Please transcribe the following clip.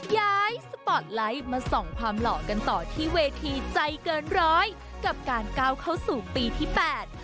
ย้ายสปอร์ตไลท์มาส่องความหล่อกันต่อที่เวทีใจเกินร้อยกับการก้าวเข้าสู่ปีที่แปด